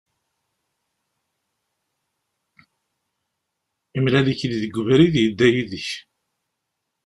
Yemlal-ik-id deg ubrid, yedda yid-k.